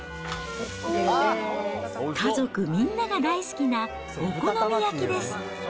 家族みんなが大好きなお好み焼きです。